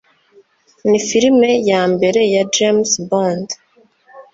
Niki Filime Yambere ya James Bond